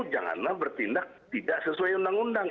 janganlah bertindak tidak sesuai undang undang